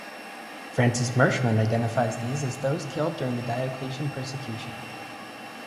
Francis Mershman identifies these as those killed during the Diocletian persecution.